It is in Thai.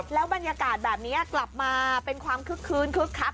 แล้วบรรยากาศแบบนี้กลับมาเป็นความคึกคืนคึกคัก